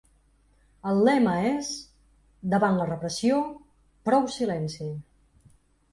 El lema és Davant la repressió, prou silenci.